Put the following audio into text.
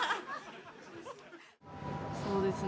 そうですね